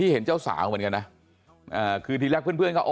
ที่เห็นเจ้าสาวเหมือนกันนะคือที่แรกเพื่อนก็